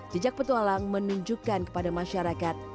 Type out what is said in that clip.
jejak petualang menunjukkan kepada masyarakat